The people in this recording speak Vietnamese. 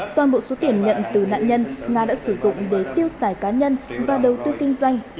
toàn bộ số tiền nhận từ nạn nhân nga đã sử dụng để tiêu xài cá nhân và đầu tư kinh doanh